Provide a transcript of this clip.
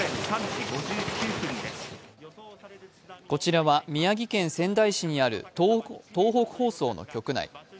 こちらは、宮城県仙台市にある東北放送の局内